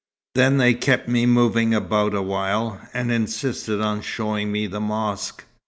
Then they kept me moving about a while, and insisted on showing me the mosque.